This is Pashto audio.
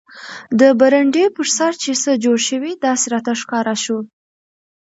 د برنډې پر سر چې څه جوړ شي داسې راته ښکاره شو.